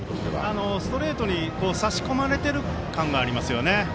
ストレートに差し込まれてる感はありますよね。